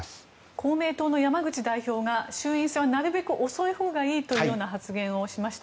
公明党の山口代表が衆院選はなるべく遅いほうがいいという発言をしました。